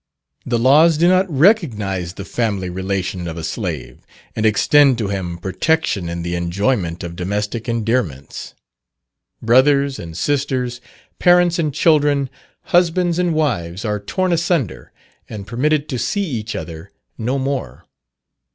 The laws do not recognise the family relation of a slave, and extend to him protection in the enjoyment of domestic endearments. Brothers and sisters, parents and children, husbands and wives, are torn asunder, and permitted to see each other no more.